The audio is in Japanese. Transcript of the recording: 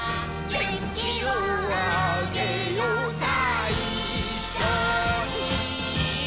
「げんきをあげようさぁいっしょに」